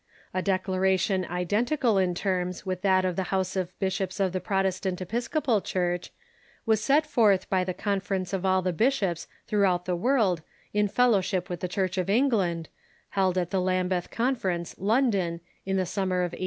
A declaration identical in terras with that of the House of Bishops of the Protestant Episcopal Church was set forth by the Conference of all the bishops throughout the world in fellowship with the Church of England, held at the Lambeth Conference, London, in the summer of 1888.